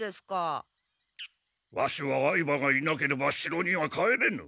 ワシは愛馬がいなければ城には帰れぬ。